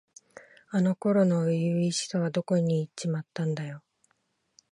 あの頃の初々しさはどこにいっちまったんだよ。